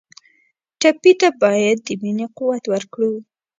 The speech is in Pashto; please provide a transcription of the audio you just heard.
ټپي ته باید د مینې قوت ورکړو.